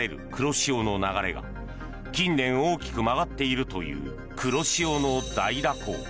通常、真っすぐ北に流れる黒潮の流れが近年、大きく曲がっているという黒潮の大蛇行。